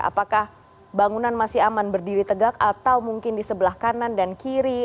apakah bangunan masih aman berdiri tegak atau mungkin di sebelah kanan dan kiri